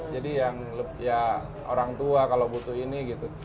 jadi yang ya orang tua kalau butuh ini gitu